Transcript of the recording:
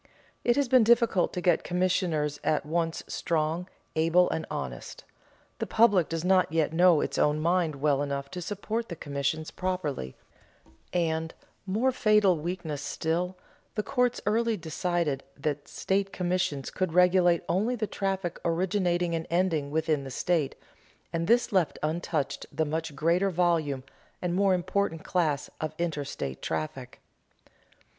It has been difficult to get commissioners at once strong, able, and honest; the public does not yet know its own mind well enough to support the commissions properly; and more fatal weakness still the courts early decided that state commissions could regulate only the traffic originating and ending within the state, and this left untouched the much greater volume and more important class of interstate traffic.